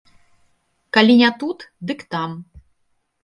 Калі не тут, дык там.